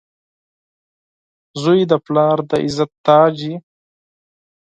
• زوی د پلار د عزت تاج وي.